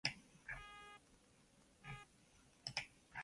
今夜は月がきれいですね